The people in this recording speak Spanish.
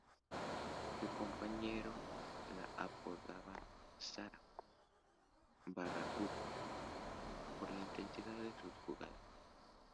Sus compañeros la apodaban "Sarah Barracuda" por la intensidad de sus jugadas.